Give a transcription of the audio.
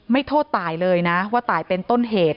โทษตายเลยนะว่าตายเป็นต้นเหตุ